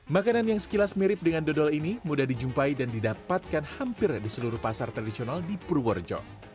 makanan yang sekilas mirip dengan dodol ini mudah dijumpai dan didapatkan hampir di seluruh pasar tradisional di purworejo